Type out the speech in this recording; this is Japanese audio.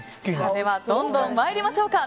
ではどんどん参りましょうか。